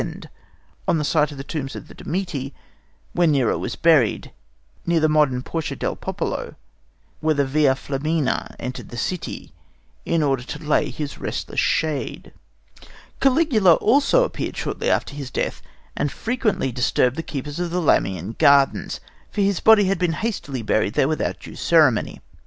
on the site of the tombs of the Domitii, where Nero was buried, near the modern Porta del Popolo, where the Via Flaminia entered the city, in order to lay his restless shade. Caligula also appeared shortly after his death, and frequently disturbed the keepers of the Lamian Gardens, for his body had been hastily buried there without due ceremony.